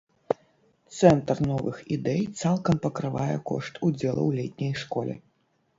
Цэнтр новых ідэй цалкам пакрывае кошт удзелу ў летняй школе.